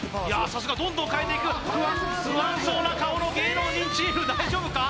さすがどんどんかえていく不安そうな顔の芸能人チーム大丈夫か？